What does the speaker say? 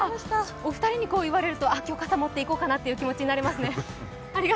お二人に言われると今日、傘持って行こうかなという感じになりますね。